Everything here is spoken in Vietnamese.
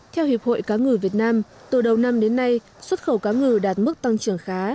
theo hiệp hội cá ngừ việt nam từ đầu năm đến nay xuất khẩu cá ngừ đạt mức tăng trưởng khá